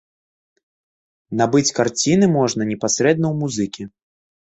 Набыць карціны можна непасрэдна ў музыкі.